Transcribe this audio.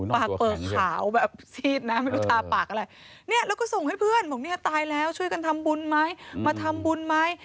ปากเปิดขาวแบบซีดนะไม่รู้ทาปากอะไรเนี่ยแล้วก็ส่งให้เพื่อนบอกเนี่ยตายแล้วช่วยกันทำบุญไหมมาทำบุญไหม